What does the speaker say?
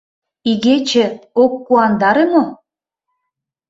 — Игече ок куандаре мо?